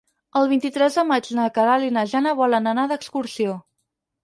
El vint-i-tres de maig na Queralt i na Jana volen anar d'excursió.